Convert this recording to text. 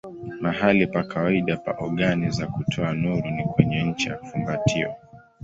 Mahali pa kawaida pa ogani za kutoa nuru ni kwenye ncha ya fumbatio.